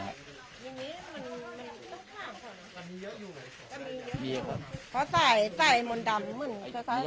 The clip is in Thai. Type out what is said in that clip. เขาใส่มนตร์ดำมึง